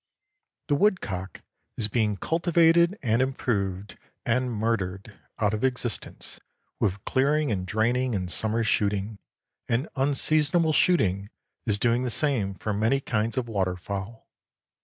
The woodcock is being cultivated and improved and murdered out of existence with clearing and draining and summer shooting, and unseasonable shooting is doing the same for many kinds of waterfowl.